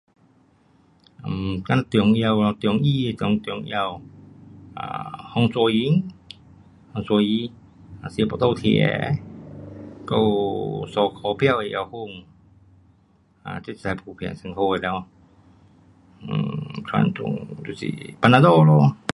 嗯，讲中药咯，中医那讲中药，啊，风沙丸，风沙丸，吃肚子痛的，还有三脚标的药粉，啊，这是最普遍，最好的了，um 传统就是 panadol 咯。